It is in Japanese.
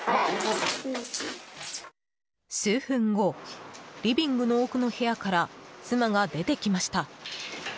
数分後リビングの奥の部屋から妻が出てきました。